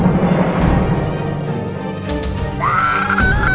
fahri harus tau nih